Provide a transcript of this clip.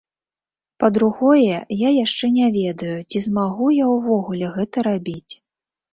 Па-другое, я яшчэ не ведаю, ці змагу я ўвогуле гэта рабіць.